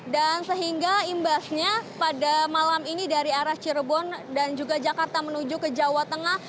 dan sehingga imbasnya pada malam ini dari arah cirebon dan juga jakarta menuju ke jawa tengah